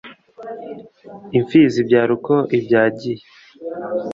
Impfizi ibyara uko ibyagiye.